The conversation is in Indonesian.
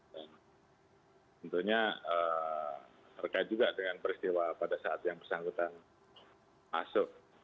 tentunya terkait juga dengan peristiwa pada saat yang bersangkutan masuk